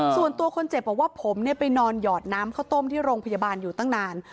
ส่วนตัวคนเจ็บบอกว่าผมไปนอนหยอดน้ำข้าวต้มที่โรงพยาบาลอยู่ตั้งนาน